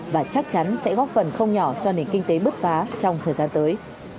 và chắc chắn sẽ góp phần không nhỏ cho nền kinh tế bứt phá trong thời gian tới